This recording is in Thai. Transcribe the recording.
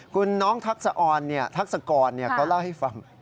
คุณน้องทักษกรเขาเล่าให้ฟัง